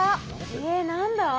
えっ何だ？